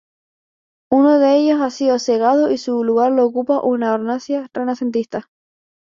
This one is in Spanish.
Uno de ellos ha sido cegado y su lugar lo ocupa una hornacina renacentista.